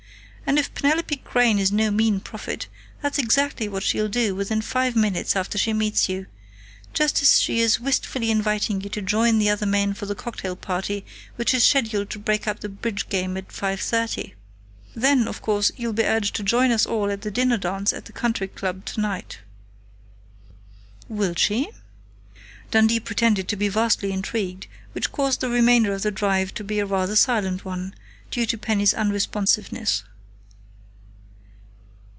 "And if Penelope Crain is no mean prophet, that's exactly what she'll do within five minutes after she meets you just as she is wistfully inviting you to join the other men for the cocktail party which is scheduled to break up the bridge game at 5:30. Then, of course, you'll be urged to join us all at the dinner dance at the Country Club tonight." "Will she?" Dundee pretended to be vastly intrigued, which caused the remainder of the drive to be a rather silent one, due to Penny's unresponsiveness.